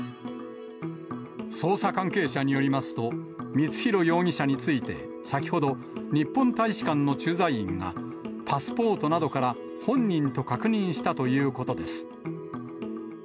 捜査関係者によりますと、光弘容疑者について、先ほど、日本大使館の駐在員が、パスポートなどから本人と確認したということです。